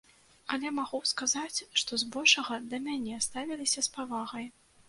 Але магу сказаць, што збольшага да мяне ставіліся з павагай.